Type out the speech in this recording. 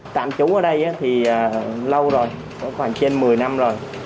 tạm trú ở đây thì lâu rồi có khoảng trên một mươi năm rồi